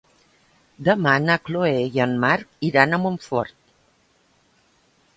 Demà na Chloé i en Marc iran a Montfort.